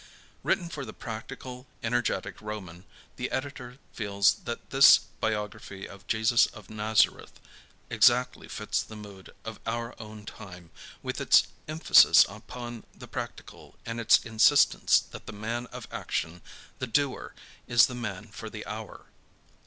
Written for the practical, energetic Roman, the Editor feels that this biography of Jesus of Nazareth exactly fits the mood of our own time, with its emphasis upon the practical and its insistence that the man of action, the doer, is the man for the hour.